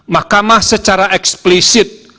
makamah secara eksplisit